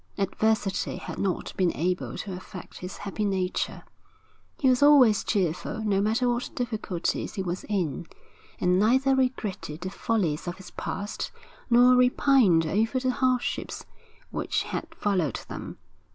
Adversity had not been able to affect his happy nature. He was always cheerful no matter what difficulties he was in, and neither regretted the follies of his past nor repined over the hardships which had followed them.